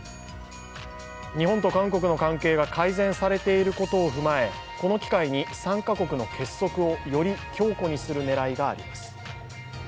日本と韓国の関係が改善されていることを踏まえ、この機会に３か国の結束をより強固にする狙いがあります。